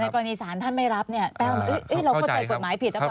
กรณีสารท่านไม่รับเนี่ยแต้วเราเข้าใจกฎหมายผิดหรือเปล่า